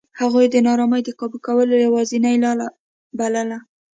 هغوی د نارامۍ د کابو کولو یوازینۍ لار بلله.